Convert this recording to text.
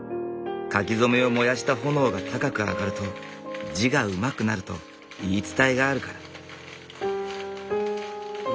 書き初めを燃やした炎が高く上がると字がうまくなると言い伝えがあるから。